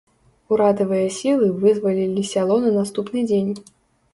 Урадавыя сілы вызвалілі сяло на наступны дзень.